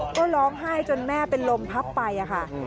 ก็ร้องไห้จนแม่เป็นลมพับไปค่ะ